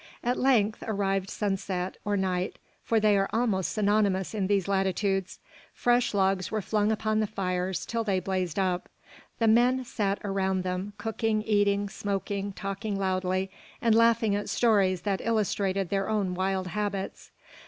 At length arrived sunset, or night, for they are almost synonymous in these latitudes. Fresh logs were flung upon the fires, till they blazed up. The men sat around them, cooking, eating, smoking, talking loudly, and laughing at stories that illustrated their own wild habits.